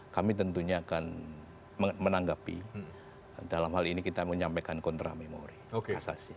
kami tentunya akan menanggapi dalam hal ini kita menyampaikan kontra memori kasasi